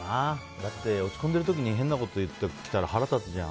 だって落ち込んでる時に変なこと言ってきたら腹立つじゃん。